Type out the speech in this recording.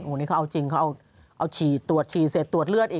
โอ้โฮนี่เขาเอาจริงเขาเอาชีตรวจชีเศษตรวจเลือดอีก